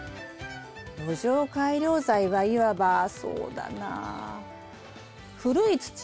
土壌改良材はいわばそうだなあ